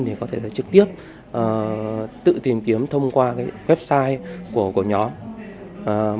thì có thể trực tiếp tự tìm kiếm thông qua website của nhóm